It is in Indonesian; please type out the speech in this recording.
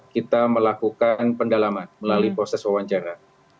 kita melakukan pendalaman melalui proses wawancara